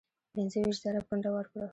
پنځه ویشت زره پونډه ورکړل.